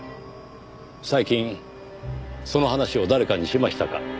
最近その話を誰かにしましたか？